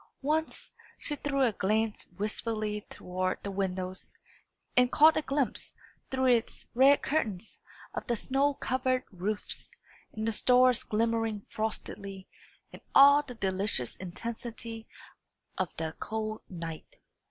Once, she threw a glance wistfully toward the windows, and caught a glimpse, through its red curtains, of the snow covered roofs, and the stars glimmering frostily, and all the delicious intensity of the cold night.